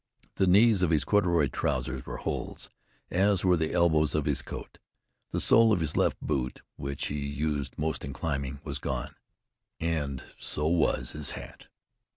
The knees of his corduroy trousers were holes, as were the elbows of his coat. The sole of his left boot, which he used most in climbing was gone, and so was his hat.